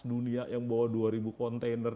dunia yang bawa dua ribu kontainer